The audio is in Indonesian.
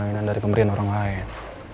ganti mainan dari pemerintah orang lain